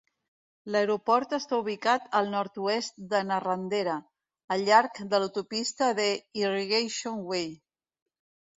L'aeroport està ubicat al nord-oest de Narrandera, al llarg de l'autopista de Irrigation Way.